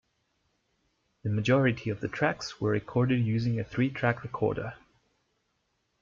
The majority of the tracks were recorded using a three-track recorder.